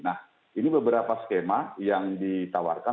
nah ini beberapa skema yang ditawarkan